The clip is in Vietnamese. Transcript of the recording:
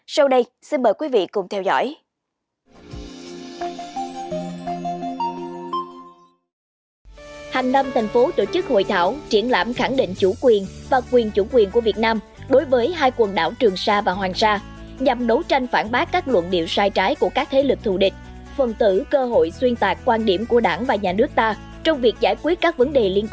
sau đây xin mời quý vị cùng theo dõi